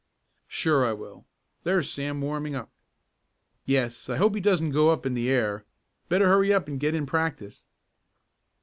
"Sure I will. There's Sam warming up." "Yes, I hope he doesn't go up in the air. Better hurry up and get in practice."